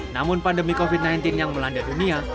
namun pandemi covid sembilan belas yang melanda dunia